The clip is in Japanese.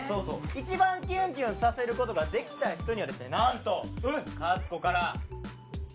一番キュンキュンさせることができた人にはですねやった！